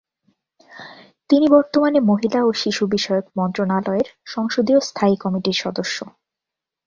তিনি বর্তমানে মহিলা ও শিশু বিষয়ক মন্ত্রণালয়ের সংসদীয় স্থায়ী কমিটির সদস্য।